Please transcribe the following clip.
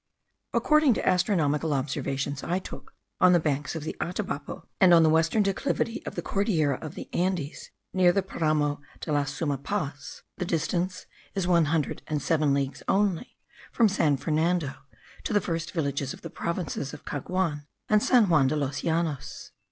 According to the astronomical observations I took on the banks of the Atabapo, and on the western declivity of the Cordillera of the Andes, near the Paramo de la suma Paz, the distance is one hundred and seven leagues only from San Fernando to the first villages of the provinces of Caguan and San Juan de los Llanos.